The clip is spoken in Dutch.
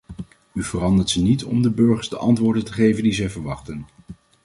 U verandert ze niet om de burgers de antwoorden te geven die zij verwachten.